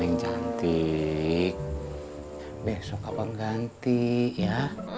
neng cantik besok abang ganti ya